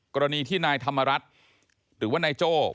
กรณีที่นายธรรมรัฐหรือว่านายโจ้